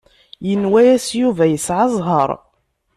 Yenwa-yas Yuba yesɛa zzheṛ.